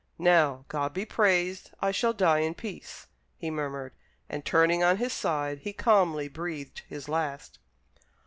Now, God be praised, I shall die in peace," he murmured; and turning on his side he calmly breathed his last.